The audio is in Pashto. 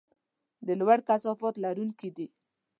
د لوړ کثافت لرونکي دي.